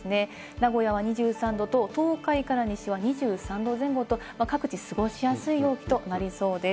名古屋は２３度と東海から西は２３度前後と各地過ごしやすい陽気となりそうです。